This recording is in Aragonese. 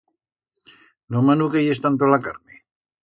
No manuqueyes tanto la carne.